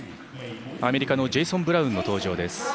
アメリカのジェイソン・ブラウンの登場です。